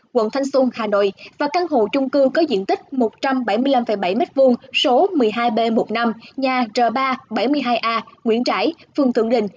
quận thanh xuân hà nội và căn hộ chung cư có diện tích một trăm bảy mươi năm bảy m hai số một mươi hai b một mươi năm nhà r ba bảy mươi hai a nguyễn trãi phường thượng đình